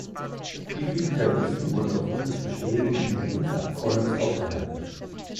Wie viele Terroristen wurden aufgrund des bestehenden Interimsabkommens aufgehalten?